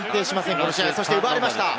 この試合そして奪われました。